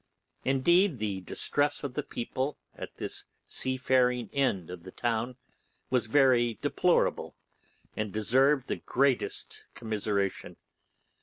Indeed, the distress of the people at this seafaring end of the town was very deplorable, and deserved the greatest commiseration.